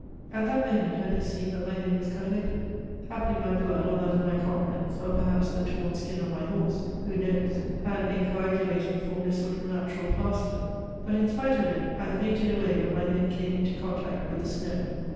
"At that moment I perceived that my head was cut open. Happily my blood, or that of my comrades, or perhaps the torn skin of my horse, who knows, had in coagulating formed a sort of natural plaster. But, in spite of it, I fainted away when my head came into contact with the snow.